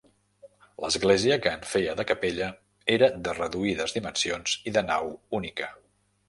L'església, que en feia de capella, era de reduïdes dimensions i de nau única.